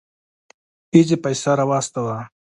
اېزي پيسه راواستوه.